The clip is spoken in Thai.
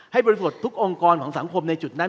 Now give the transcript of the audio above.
บริสุทธิ์ทุกองค์กรของสังคมในจุดนั้น